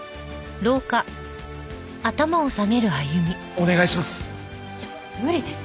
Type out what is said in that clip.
お願いします。